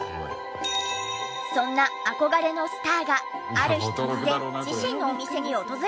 そんな憧れのスターがある日突然自身のお店に訪れる事に！